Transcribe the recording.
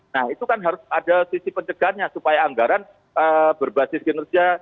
nah itu kan harus ada sisi pencegahannya supaya anggaran berbasis kinerja